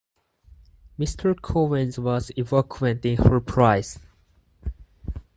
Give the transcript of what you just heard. Mr. Collins was eloquent in her praise.